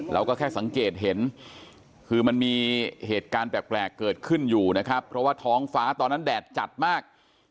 เราก็แค่สังเกตเห็นคือมันมีเหตุการณ์แปลกเกิดขึ้นอยู่นะครับเพราะว่าท้องฟ้าตอนนั้นแดดจัดมาก